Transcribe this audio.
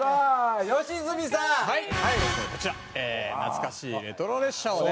懐かしいレトロ列車をね